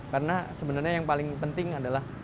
karena sebenarnya yang paling penting adalah